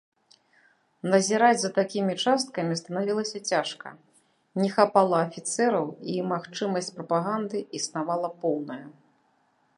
Назіраць за такімі часткамі станавілася цяжка, не хапала афіцэраў, і магчымасць прапаганды існавала поўная.